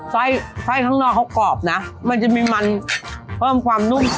ไส้ข้างนอกเขากรอบนะมันจะมีมันเพิ่มความนุ่ม